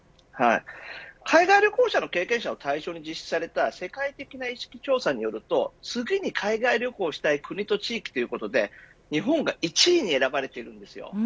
海外旅行者の経験者を対象に実施された世界的な意識調査によると次に海外旅行したい国、地域ということで日本が１位に選ばれています。